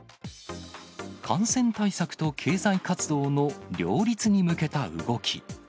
感染対策と経済活動の両立に向けた動き。